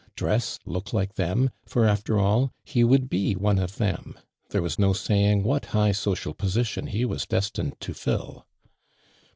dress, look like them, i'or after all, he woulcl be one of them. There was no saying wliat higli social position he was rlestined to till.''